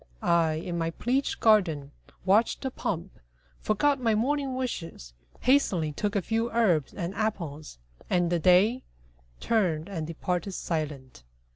I, in my pleached garden, watched the pomp, Forgot my morning wishes, hastily Took a few herbs and apples, and the Day Turned and departed silent.